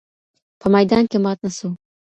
په میدان کي مات نه سو